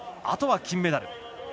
あとは金メダル。